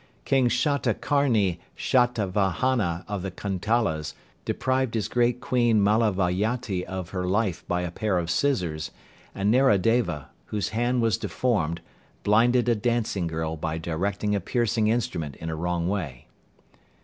King Shatakarni Shatavahana of the Kuntalas deprived his great Queen Malayavati of her life by a pair of scissors, and Naradeva, whose hand was deformed, blinded a dancing girl by directing a piercing instrument in a wrong way.